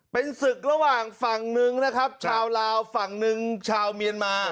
เป็นศึกระหว่างฝั่งหนึ่งนะครับชาวลาวฝั่งหนึ่งชาวเมียนมา